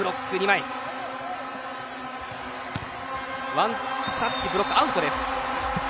ワンタッチブロックアウトです。